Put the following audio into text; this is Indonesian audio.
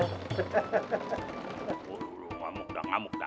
ngamuk dah ngamuk dah ngamuk dah